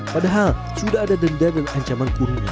padahal sudah ada denda dan ancaman kurungan